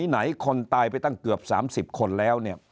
ไหนคนตายไปตั้งเกือบ๓๐คนแล้วเนี่ย